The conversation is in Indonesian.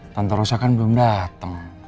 tante rosa kan belum dateng